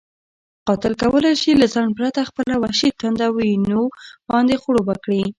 قاتل کولی شي له ځنډ پرته خپله وحشي تنده وینو باندې خړوبه کړي.